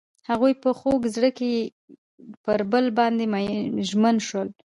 هغوی په خوږ زړه کې پر بل باندې ژمن شول.